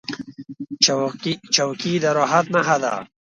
چوکۍ د راحت نښه ده.